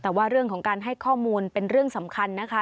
แต่ว่าเรื่องของการให้ข้อมูลเป็นเรื่องสำคัญนะคะ